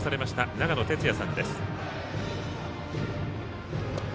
長野哲也さんです。